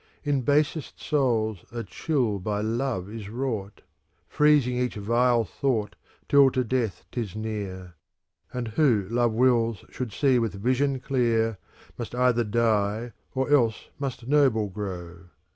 In basest souls a chill by Love is wrought, Freezing each vile thought till to death 'tis near : And who Love wills should see with vision clear ^ Must either die or else must noble grow.